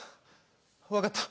わかった。